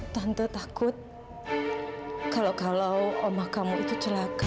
tante takut kalau kalau omah kamu itu celaka